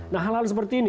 nah hal hal seperti ini